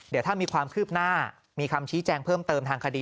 เดี๋ยวถ้ามีความคืบหน้ามีคำชี้แจงเพิ่มเติมทางคดี